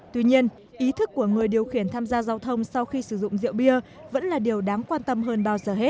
tuy nhiên ý thức của người điều khiển tham gia giao thông sau khi sử dụng rượu bia vẫn là điều đáng quan tâm hơn bao giờ hết